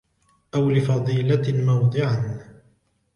أَوْ لِفَضِيلَةٍ مَوْضِعًا